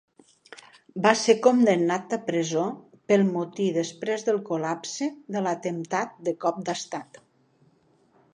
Va ser condemnat a presó pel motí després del col·lapse de l'atemptat de cop d'estat.